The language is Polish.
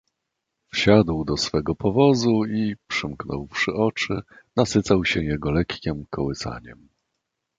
"Wsiadł do swego powozu i, przymknąwszy oczy, nasycał się jego lekkiem kołysaniem."